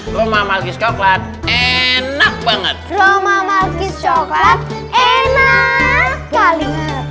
rumah magis coklat enak banget rumah mangkis coklat enak sekali